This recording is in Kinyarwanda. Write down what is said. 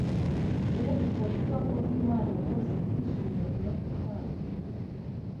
Mbega ukuntu ubwoko bw’Imana bwose bwishimiye kurokoka